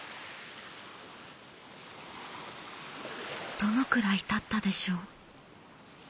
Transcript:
どのくらいたったでしょう。